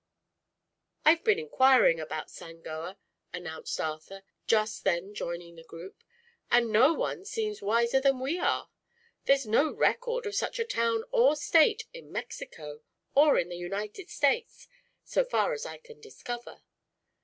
"I've been inquiring about Sangoa," announced Arthur, just then joining the group, "and no one seems wiser than we are. There's no record of such a town or state in Mexico, or in the United States so far as I can discover.